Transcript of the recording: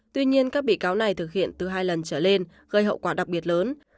tuy nhiên các bị cáo này thực hiện từ hai lần trở lên gây hậu quả đặc biệt lớn